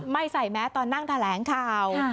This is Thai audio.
ไม่ใส่แม้ตอนนั่งแถลงข่าว